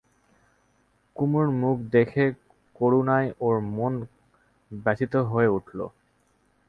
কুমুর মুখ দেখে করুণায় ওর মন ব্যথিত হয়ে উঠল।